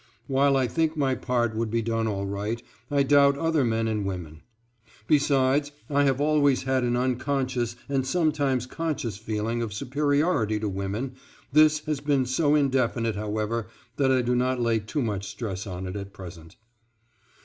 While I think my part would be done all right, I doubt other men and women. Besides, I have always had an unconscious and sometimes conscious feeling of superiority to women this has been so indefinite, however, that I do not lay too much stress on it at present.